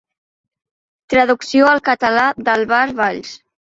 Traducció al català d'Àlvar Valls.